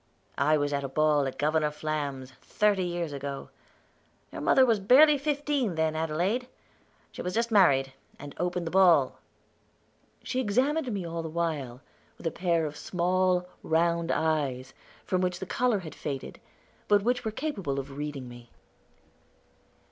I was at a ball at Governor Flam's thirty years ago. Your mother was barely fifteen, then, Adelaide; she was just married, and opened the ball." She examined me all the while, with a pair of small, round eyes, from which the color had faded, but which were capable of reading me.